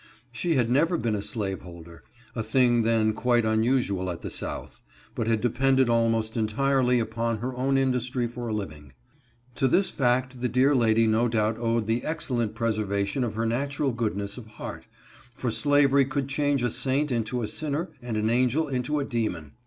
She had never been a slaveholder — a thing then quite unusjial^t the South — but had depended almosT" entirely upon her own industry for a living. To this fact the dear lady no doubt owed the excellent preservation of her nat ural goodness of heart, for slavery could change a saint into a sinner, and an angel into a demon.